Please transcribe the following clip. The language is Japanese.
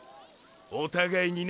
お互いにな。